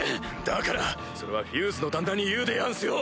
だからそれはフューズの旦那に言うでやんすよ！